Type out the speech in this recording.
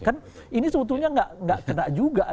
kan ini sebetulnya nggak kena juga